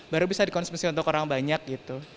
baru bisa dikonsumsi untuk orang banyak gitu